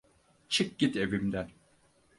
Çık git evimden.